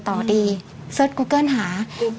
ก็เลยคิดว่า